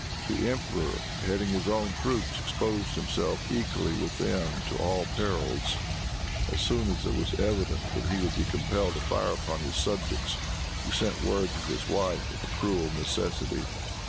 The emperor, heading his own troops, exposed himself, equally with them, to all perils. As soon as it was evident that he would be compelled to fire upon his subjects, he sent word to his wife of the cruel necessity.